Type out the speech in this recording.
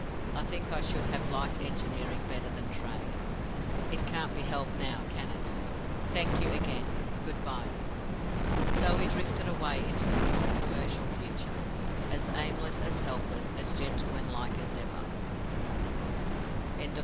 I think I should have liked engineering better than trade. It can't be helped now, can it? Thank you, again. Good by." So he drifted away into the misty commercial future—as aimless, as helpless, as gentleman like as ever. CHAPTER IX.